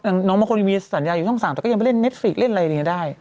อย่างน้องมะโคนวีสสัญญาอยู่ช่องสามแต่ก็ยังไม่เล่นเน็ตฟิกเล่นอะไรอย่างนี้ได้